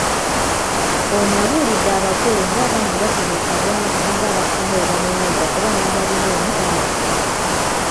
Ono abuulidde abagole ng'abaana bwe bataleeta bwavu ng'abasinga bwe balowooza kuba n'abalina omu bayagga.